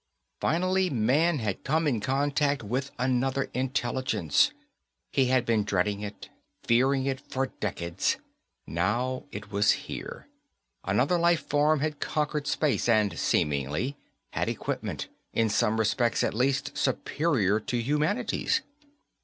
Finally man had come in contact with another intelligence. He had been dreading it, fearing it, for decades; now it was here. Another life form had conquered space, and, seemingly, had equipment, in some respects at least, superior to humanity's.